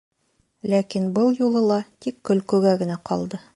Ләкин был юлы ла тик көлкөгә генә ҡалды.